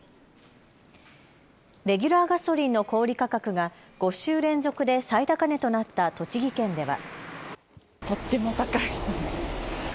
レギュラーガソリンの小売価格が５週連続で最高値となった栃木県では。